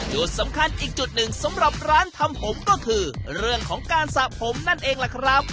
จุดสำคัญอีกจุดหนึ่งสำหรับร้านทำผมก็คือเรื่องของการสระผมนั่นเองล่ะครับ